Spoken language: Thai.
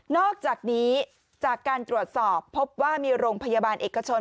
อกจากนี้จากการตรวจสอบพบว่ามีโรงพยาบาลเอกชน